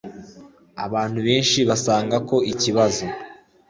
Abantu benshi basanga ko ikibazo